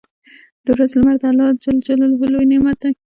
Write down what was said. • د ورځې لمر د الله لوی نعمت دی.